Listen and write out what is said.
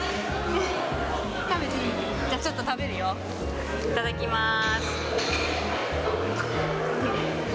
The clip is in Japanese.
じゃあ、ちょっと食べるよ、いただきます。